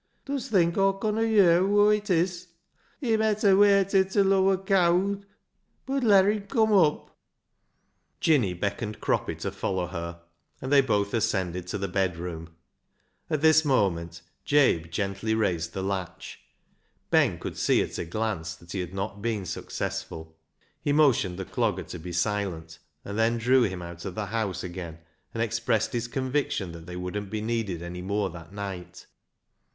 " Dust think Aw conna yer whoa it is? He met a waited till Aw wur cowd, bud ler him come up." THE MEMORY OF THE JUST 229 Jinny beckoned Croppy to follow her, and they both ascended to the bedroom. At this moment Jabe gently raised the latch. Ben could see at a glance that he had not been successful. He motioned the Clogger to be silent, and then drew him out of the house again and expressed his conviction that they wouldn't be needed any more that night.